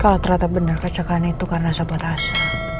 kalau ternyata benar kecekaan itu karena sabotase